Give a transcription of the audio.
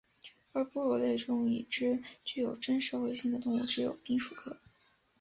而哺乳类中已知具有真社会性的动物只有滨鼠科。